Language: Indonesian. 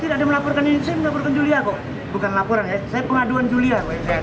tidak melaporkan ini saya melaporkan yulia kok bukan laporan ya saya pengaduan yulia